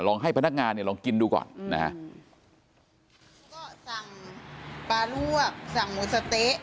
ให้พนักงานเนี่ยลองกินดูก่อนนะฮะก็สั่งปลาลวกสั่งหมูสะเต๊ะ